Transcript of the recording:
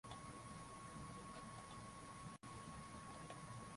Ni lazima kampuni hizi kuwajibika katika kutunza mazingira